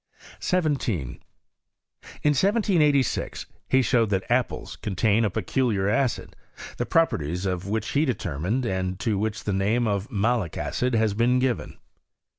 17. In 1786 he showed that apples contain a peculiar acid, the properties of which he determined , and to which the name of malic acid has been given.